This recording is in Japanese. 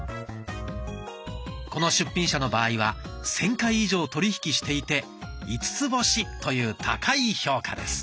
この出品者の場合は１，０００回以上取り引きしていて５つ星という高い評価です。